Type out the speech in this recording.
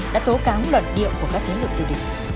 đã tố cáo luận điệu của các thế lực thù địch